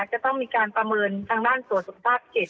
จะต้องมีการประเมินทางด้านตรวจสุขภาพจิต